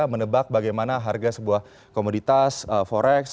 menebak bagaimana harga sebuah komoditas forex